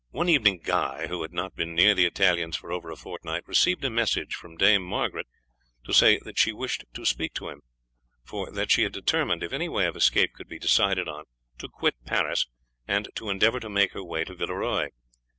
One evening Guy, who had not been near the Italian's for over a fortnight, received a message from Dame Margaret to say that she wished to speak to him, for that she had determined, if any way of escape could be decided on, to quit Paris, and to endeavour to make her way to Villeroy.